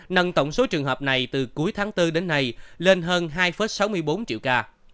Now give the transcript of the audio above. nâng tổng số trường hợp này từ cuối tháng bốn đến nay lên hơn hai sáu mươi bốn triệu ca